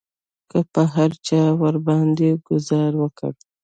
که به هر چا ورباندې ګوزار وکړ.